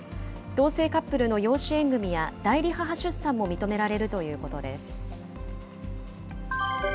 同性カップルの養子縁組みや代理母出産も認められるということです。